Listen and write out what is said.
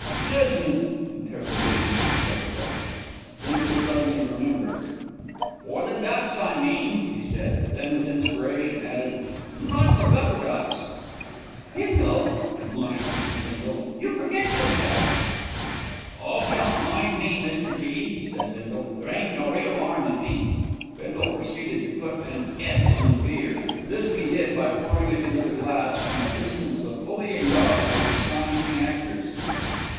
"Pleasant!" interrogated Mr. Gupperduck. Bindle suddenly remembered. "For the ducks, I mean," he said; then with inspiration added, "not for Gupperducks." "Bindle!" admonished Mrs. Bindle. "You forget yourself." "Oh, don't mind me, Mr. G.," said Bindle; "there ain't no real 'arm in me." Bindle proceeded to put "an 'ead on the beer." This he did by pouring it into the glass from a distance of fully a yard and with astonishing accuracy.